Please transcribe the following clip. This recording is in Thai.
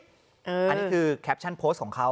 อันนี้คือแคปชั่นโพสต์ของเขา